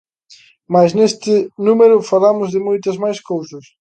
Mais neste número falamos de moitas máis cousas.